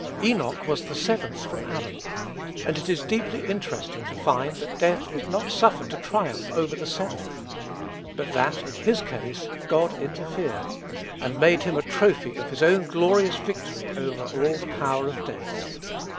Enoch was "the seventh from Adam;" and it is deeply interesting to find, that death was not suffered to triumph over "the seventh;" but that, in his case, God interfered, and made him a trophy of his own glorious victory over all the power of death.